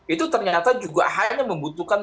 itu ternyata juga hanya membutuhkan